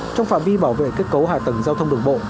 trong phạm vi bảo vệ kết cấu hạ tầng giao thông đường bộ